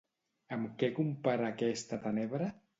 Amb què compara aquesta tenebra?